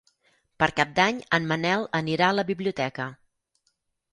Per Cap d'Any en Manel anirà a la biblioteca.